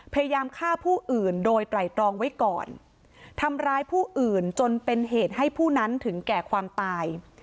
พยายามฆ่าผู้อื่นโดยไตรตรองไว้ก่อนทำร้ายผู้อื่นจนเป็นเหตุให้ผู้นั้นถึงแก่ความตาย